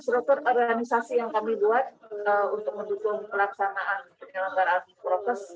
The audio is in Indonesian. struktur organisasi yang kami buat untuk mendukung pelaksanaan penyelenggaraan aksi protes